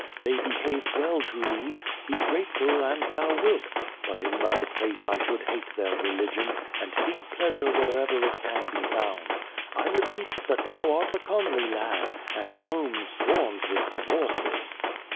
They behaved well to thee. Be grateful and thou wilt. But in thy place I should hate their religion, and seek pleas ure wherever it can be found. I repeat that thou art a comely lad, and Rome swarms with divorces."